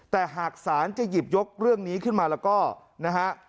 แต่หากศาลจะหยิบยกเรื่องนี้ขึ้นมาแล้วก็นะฮะ